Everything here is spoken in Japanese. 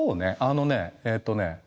あのねえっとね